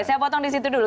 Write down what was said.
saya potong di situ dulu